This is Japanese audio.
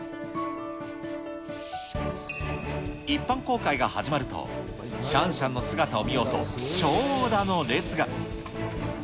一般公開が始まると、シャンシャンの姿を見ようと長蛇の列が。